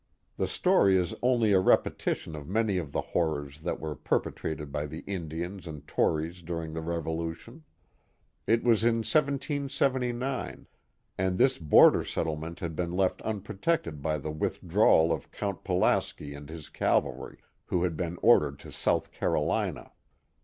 The story is only a repetition of many of the horrors that were perpetrated by the Indians and Tories during the Revolution. It was in 1779, and this border settlement had been left unprotected by the withdrawal of Count Pulaski and his cavalry, who had been ordered to South Carolina.